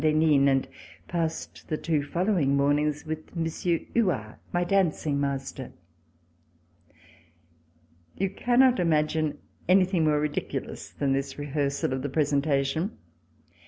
d'Henin, and passed the two following mornings with Monsieur Huart, my dancing master. You cannot imagine anything more ridiculous than this rehearsal of the presenta tion.